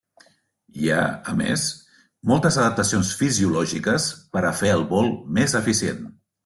Hi ha, a més, moltes adaptacions fisiològiques per a fer el vol més eficient.